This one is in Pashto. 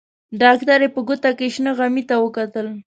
ډاکټرې په ګوته کې شنه غمي ته وکتل.